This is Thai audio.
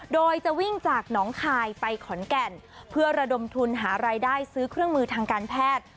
โดยจะวิ่งจากหนองคายไปขอนแก่นเพื่อระดมทุนหารายได้ซื้อเครื่องมือทางการแพทย์